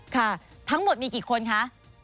ค่ะทั้งหมดมีกี่คนคะ